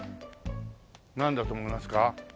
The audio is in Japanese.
なんだと思いますか？